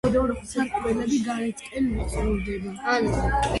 სარკმელები გარეთკენ ვიწროვდება.